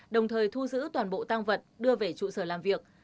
đồng thời thu giữ toàn bộ tăng vật đưa về trụ sở làm việc